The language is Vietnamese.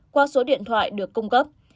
qua số điện thoại được cung cấp